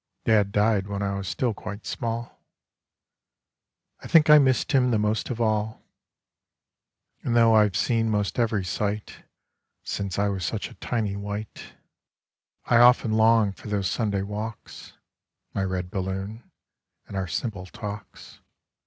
Dad died when I was still quite small. I think I missed him the most of all ; And though I've seen 'most every sight Since I was such a tiny wight, SUNDAY I often long for those Sunday walks, My red balloon, and our simple talks.